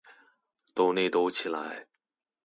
抖內抖起來